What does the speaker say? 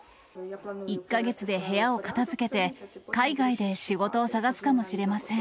１か月で部屋を片づけて、海外で仕事を探すかもしれません。